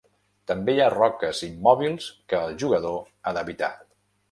També hi ha roques immòbils que el jugador ha d'evitar.